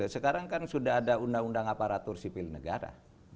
sekarang kan sudah ada undang undang aparatur sipil negara